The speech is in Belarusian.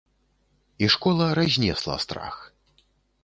І школа разнесла страх.